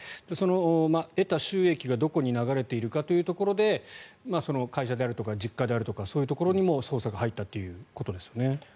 得た収益がどこに流れているかというところで会社であるとか実家であるとかそういうところにも捜査が入ったということですよね。